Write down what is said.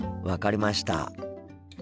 分かりました。